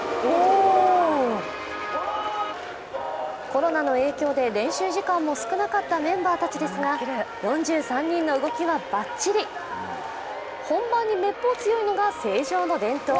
コロナの影響で練習時間も少なかったメンバーたちですが４３人の動きはバッチリ、本番にめっぽう強いのが成城の伝統。